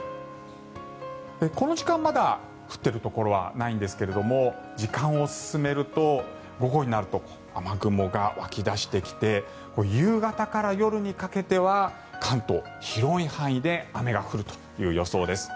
この時間まだ降っているところはないんですけれども時間を進めると、午後になると雨雲が湧き出してきて夕方から夜にかけては関東、広い範囲で雨が降るという予想です。